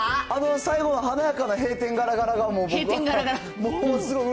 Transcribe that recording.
最後の華やかな閉店ガラガラが僕はもう。